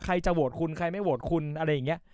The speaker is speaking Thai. จะโหวตคุณใครไม่โหวตคุณอะไรอย่างนี้